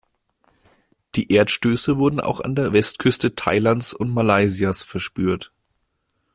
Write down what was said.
Die Erdstöße wurden auch an der Westküste Thailands und Malaysias verspürt.